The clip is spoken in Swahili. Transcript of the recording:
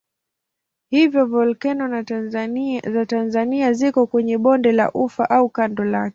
Hivyo volkeno za Tanzania ziko kwenye bonde la Ufa au kando lake.